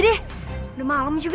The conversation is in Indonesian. udah deh mendingan selalu pulang aja deh